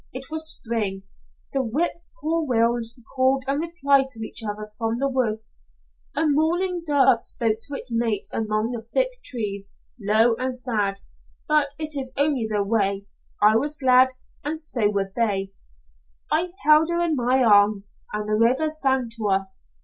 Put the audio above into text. It was spring. The whip poor wills called and replied to each other from the woods. A mourning dove spoke to its mate among the thick trees, low and sad, but it is only their way. I was glad, and so were they. "I held her in my arms, and the river sang to us.